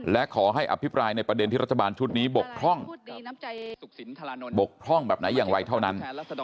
และขอให้อภิปรายในประเด็นที่รัฐบาลชุดนี้บกพร่องบกพร่องแบบไหนอย่างไรเท่านั้น